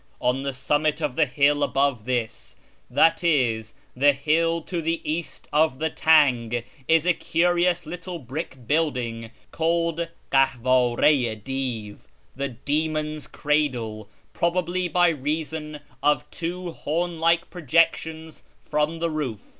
On the summit of the hill above this {i.e. the hill to the east of the Tang) is a curious little brick building called Kelivdri i Div (" the Demon's Cradle "), probably by reason of two horn like projections from the roof.